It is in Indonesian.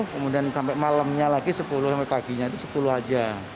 kemudian sampai malamnya lagi sepuluh sampai paginya itu sepuluh aja